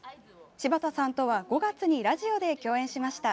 柴田さんとは５月にラジオで共演しました。